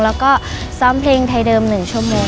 แล้วก็ซ้อมเพลงไทยเดิม๑ชั่วโมง